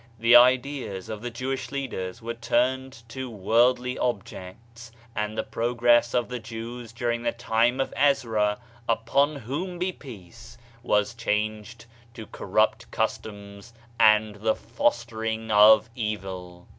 The ideas of the Jewish leaders were turned to worldly objects, and the progress of the Jews during the time of Ezra (up on whom be peacel) was changed to corrupt cus toms and the fostering of evil.